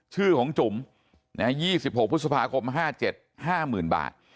ชื่อของจุ๋ม๒๖พฤษภาคม๕๗๕๐๐๐บาท